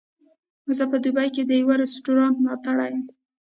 زه په دوبۍ کې د یوه رستورانت ملاتړی یم.